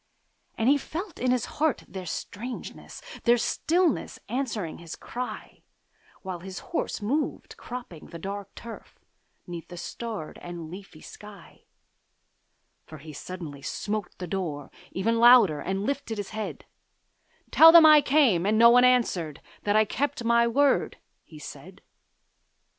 And he felt in his heart their strangeness, Their stillness answering his cry, While his horse moved, cropping the dark turf, 'Neath the starred and leafy sky; For he suddenly smote on the door, even Louder, and lifted his head: 'Tell them I came, and no one answered, That I kept my word,' he said.